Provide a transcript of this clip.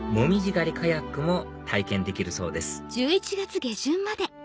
狩りカヤックも体験できるそうです